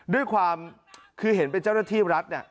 ด้วยความคือเห็นเป็นเจ้าหน้าที่รัฐเนี่ย